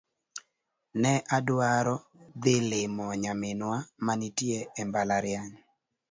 Ne adwaro dhi limo nyaminwa ma nitie e mabalariany